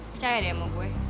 percaya deh sama gue